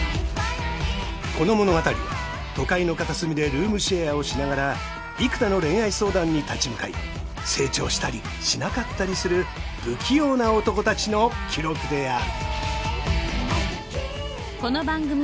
この物語は都会の片隅でルームシェアをしながら幾多の恋愛相談に立ち向かい成長したりしなかったりする不器用な男たちの記録である